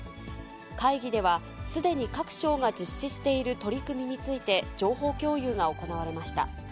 会議では、すでに各省が実施している取り組みについて情報共有が行われました。